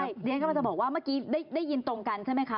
ใช่เดี๋ยวก็จะบอกว่าเมื่อกี้ได้ยินตรงกันใช่ไหมคะ